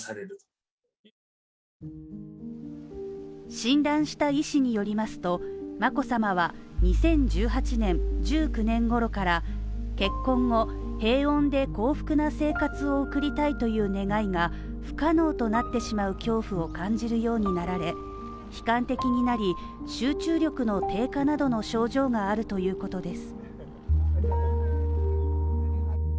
診断した医師によりますと、眞子さまは、２０１８年１９年ごろから結婚後、平穏で幸福な生活を送りたいという願いが不可能となってしまう恐怖を感じるようになられ悲観的になり、集中力の低下などの症状があるということです。